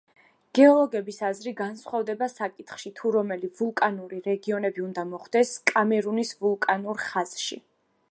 გეოლოგების აზრი განსხვავდება საკითხში, თუ რომელი ვულკანური რეგიონები უნდა მოხვდეს კამერუნის ვულკანურ ხაზში.